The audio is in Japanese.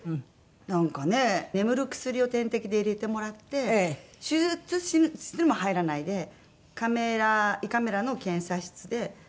なんかね眠る薬を点滴で入れてもらって手術室にも入らないでカメラ胃カメラの検査室でするというものでした。